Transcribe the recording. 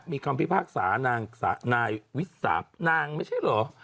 มีคำพิพากษานางนายวิสานางไม่ใช่เหรอ